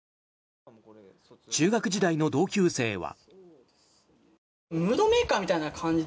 中学時代の同級生は。